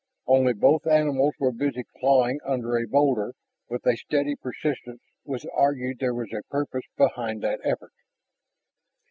Only both animals were busy clawing under a boulder with a steady persistence which argued there was a purpose behind that effort.